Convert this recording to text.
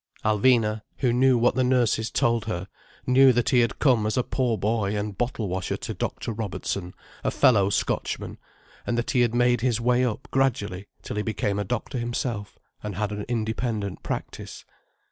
Alvina, who knew what the nurses told her, knew that he had come as a poor boy and bottle washer to Dr. Robertson, a fellow Scotchman, and that he had made his way up gradually till he became a doctor himself, and had an independent practice.